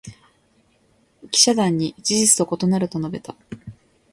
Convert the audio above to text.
記者団に「事実と異なる」と述べた。